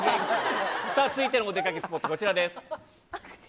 続いてのお出かけスポット、こちらです。